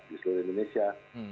di seluruh indonesia